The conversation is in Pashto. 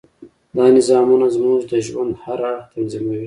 دا نظامونه زموږ د ژوند هر اړخ تنظیموي.